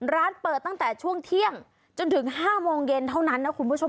ร้านเปิดตั้งแต่ช่วงเที่ยงจนถึง๕โมงเย็นเท่านั้นนะคุณผู้ชม